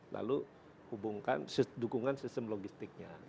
lalu hubungkan dukungan sistem logistiknya